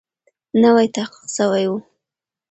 نوی تحقیق سوی وو.